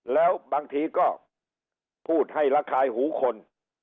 แล้วบางทีก็พูดให้ระคายหูคน